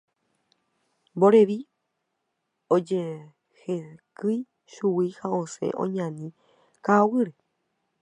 Mborevi ojehekýi chugui ha osẽ oñani ka'aguýre.